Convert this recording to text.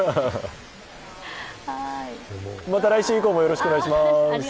また来週以降もよろしくお願いします。